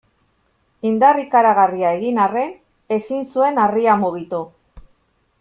Indar ikaragarria egin arren ezin zuen harria mugitu.